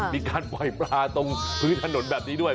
มีการปล่อยปลาตรงพื้นถนนแบบนี้ด้วย